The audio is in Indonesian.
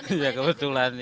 ganjil genap kebetulan ya pak